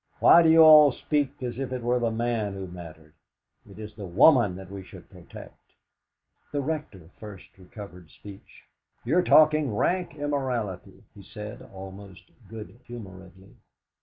Why do you all speak as if it were the man who mattered? It is the woman that we should protect!" The Rector first recovered speech. "You're talking rank immorality," he said almost good humouredly.